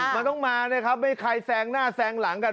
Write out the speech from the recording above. มันต้องมานะครับไม่ใครแซงหน้าแซงหลังกัน